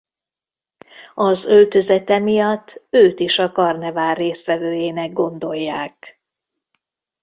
Az öltözete miatt őt is a karnevál résztvevőjének gondolják.